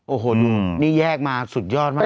โอ้โหนี่แยกมาสุดยอดมาก